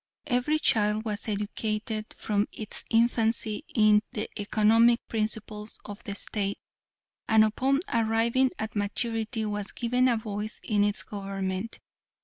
Every child was educated from its infancy in the economic principles of the State, and upon arriving at maturity was given a voice in its government.